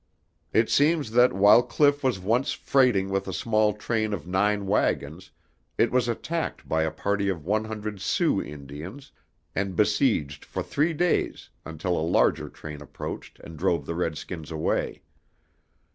It seems that while Cliff was once freighting with a small train of nine wagons, it was attacked by a party of one hundred Sioux Indians and besieged for three days until a larger train approached and drove the redskins away.